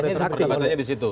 makanya pertanyaannya di situ